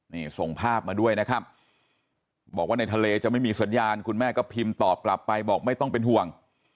นี่ส่งภาพมาด้วยนะครับบอกว่าในทะเลจะไม่มีสัญญาณคุณแม่ก็พิมพ์ตอบกลับไปบอกไม่ต้องเป็นห่วง